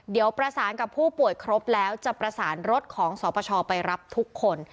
เดี๋ยวประสานกับผู้ป่วยครบแล้วจะประสานรถของสปชไปรับทุกคน